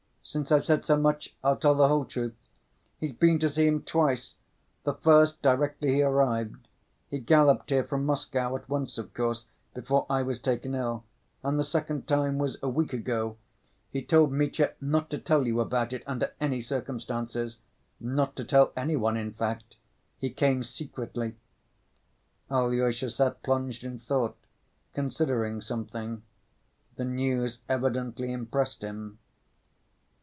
Since I've said so much I'll tell the whole truth—he's been to see him twice, the first directly he arrived. He galloped here from Moscow at once, of course, before I was taken ill; and the second time was a week ago. He told Mitya not to tell you about it, under any circumstances; and not to tell any one, in fact. He came secretly." Alyosha sat plunged in thought, considering something. The news evidently impressed him.